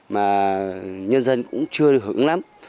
mà nhân dân cũng chưa được hưởng lắm